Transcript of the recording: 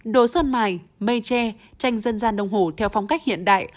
đồ sơn mài mây tre tranh dân gian nông hồ theo phong cách hiện đại